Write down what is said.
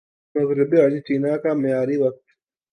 مغربی ارجنٹینا کا معیاری وقت